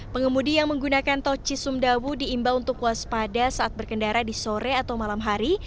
pengemudi yang menggunakan tol cisumdawu diimbau untuk waspada saat berkendara di sore atau malam hari